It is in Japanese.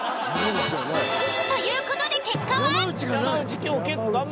という事で結果は。